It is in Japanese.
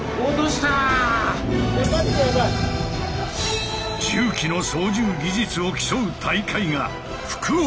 重機の操縦技術を競う大会が福岡で開かれた。